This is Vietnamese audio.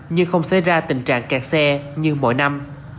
nhưng không xảy ra tình trạng kẹt xe như mỗi năm